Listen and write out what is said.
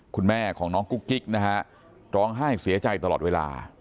คุณแม่ของน้องกุ๊กกิ๊กนะฮะร้องไห้เสียใจตลอดเวลา